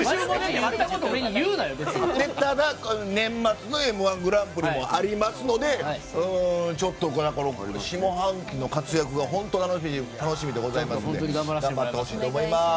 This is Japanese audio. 年末の「Ｍ‐１グランプリ」もありますので下半期の活躍が本当に楽しみでございますので頑張ってほしいと思います。